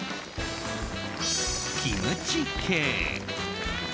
キムチ系。